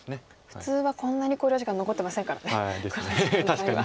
普通はこんなに考慮時間残ってませんからねこの時間帯に。